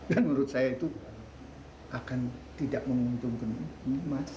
dan menurut saya itu akan tidak menguntungkan ibu imas